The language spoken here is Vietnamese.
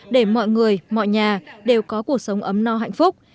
để mọi người mọi nhà đều có cuộc sống ấm no hạnh phúc